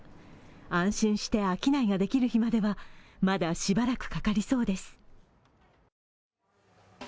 安心して商いができる日まではまだしばらくかかりそうです。